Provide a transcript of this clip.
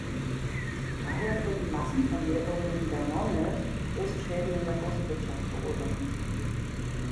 Daher können Massenvermehrungen der Nonne große Schäden in der Forstwirtschaft verursachen.